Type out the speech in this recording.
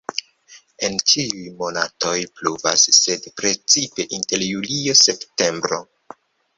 En ĉiuj monatoj pluvas, sed precipe inter julio-septembro.